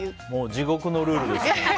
地獄のルールですね。